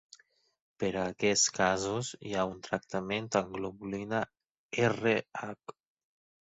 Per a aquests casos hi ha un tractament amb globulina Rh.